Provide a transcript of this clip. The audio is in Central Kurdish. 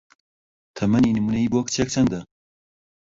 تەمەنی نموونەیی بۆ کچێک چەندە؟